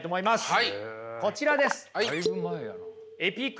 はい。